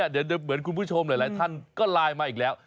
เดี๋ยวเหมือนคุณผู้ชมหลายท่านก็ไลน์มาอีกแล้ว